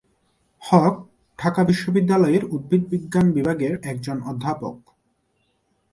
হক ঢাকা বিশ্ববিদ্যালয়ের উদ্ভিদবিজ্ঞান বিভাগের একজন অধ্যাপক।